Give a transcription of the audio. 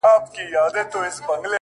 هر څه چي راپېښ ســولـــــه!